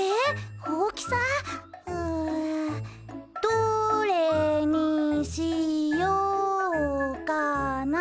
どれにしようかな？